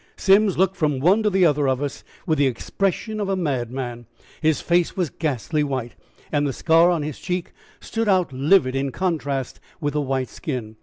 Simms looked from one to the other of us, with the expression of a madman. His face was ghastly white, and the scar on his cheek stood out livid, in contrast with the white skin.